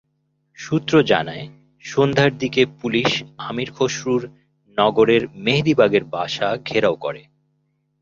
সূত্র জানায়, সন্ধ্যার দিকে পুলিশ আমীর খসরুর নগরের মেহেদীবাগের বাসা ঘেরাও করে।